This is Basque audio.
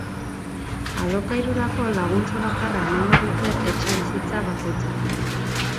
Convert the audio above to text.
Alokairurako laguntza bakarra emango dute etxebizitza bakoitzeko.